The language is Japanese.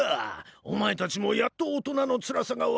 お前たちもやっと大人のつらさが分かったか。